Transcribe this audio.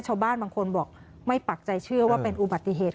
ชาวบ้านบางคนบอกไม่ปักใจเชื่อว่าเป็นอุบัติเหตุ